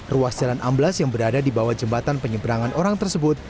ruas jalan amblas yang berada di bawah jembatan penyeberangan orang tersebut